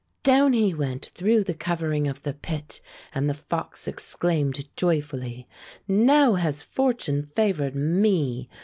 Down he went through the covering of the pit, and the fox exclaimed joyfully: "Now has fortune favored me!